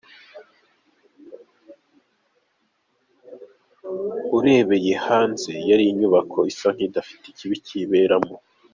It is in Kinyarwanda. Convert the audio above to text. Urebeye hanze yari inyubako isa n’idafite ikibi kiberamo.